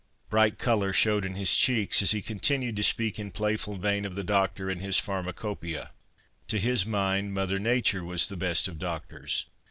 Bright colour showed in his cheeks as he continued to speak in playful vein of the doctor and his pharmacopoeia. To his mind, Mother Nature was the best of doctors.